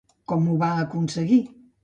Com ho va aconseguir?